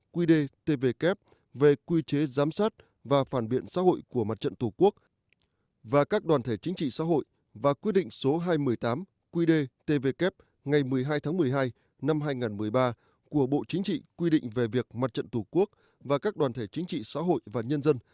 quy đề tvk về quy chế giám sát và phản biện xã hội của mặt trận tổ quốc và các đoàn thể chính trị xã hội và quyết định số hai trăm một mươi tám qd tvk ngày một mươi hai tháng một mươi hai năm hai nghìn một mươi ba của bộ chính trị quy định về việc mặt trận tổ quốc và các đoàn thể chính trị xã hội và nhân dân